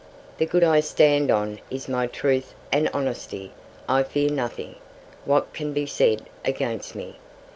"The good I stand on is my truth and honesty; I fear nothing What can be said against me.